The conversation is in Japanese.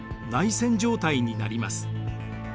内戦状態になります。